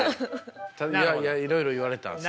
いやいやいろいろ言われたんすよ。